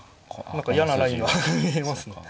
何か嫌なラインが見えますね。